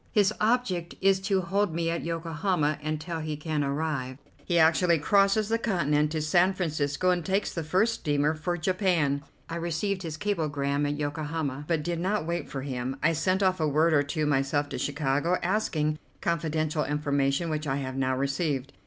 His object is to hold me at Yokohama until he can arrive. He actually crosses the continent to San Francisco, and takes the first steamer for Japan. I received his cablegram at Yokohama, but did not wait for him. I sent off a word or two myself to Chicago, asking confidential information which I have now received.